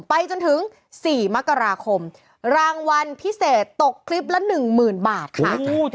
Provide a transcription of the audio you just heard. ไปจนถึง๔มกราคมรางวัลพิเศษตกคลิปละ๑๐๐๐บาทค่ะ